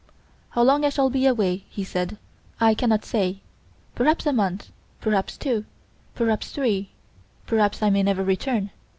'How long I shall be away,' he said, 'I cannot say; perhaps a month perhaps two perhaps three perhaps I may never return.